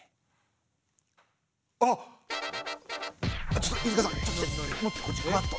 ちょっと飯塚さん持ってこっちグワッと。